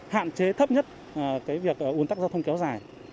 hạn chế thấp nhất cái việc ủn tắc giao thông kéo dài